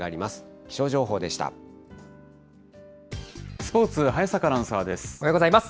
スポーツ、早坂アナウンサーです。